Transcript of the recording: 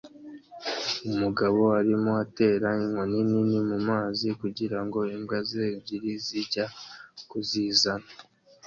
Umugabo arimo atera inkoni nini mumazi kugirango imbwa ze ebyiri zijya kuzizana